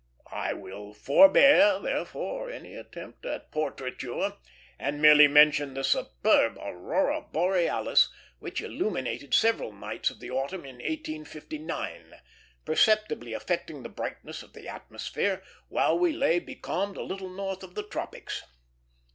I will forbear, therefore, any attempt at portraiture, and merely mention the superb aurora borealis which illuminated several nights of the autumn of 1859, perceptibly affecting the brightness of the atmosphere, while we lay becalmed a little north of the tropics.